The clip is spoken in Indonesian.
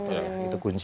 gejalanya itu kunci